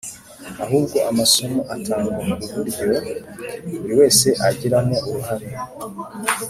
Ahubwo amasomo atangwa ku buryo buri wese ayagiramo uruhare